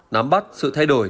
nắm bắt sự thay đổi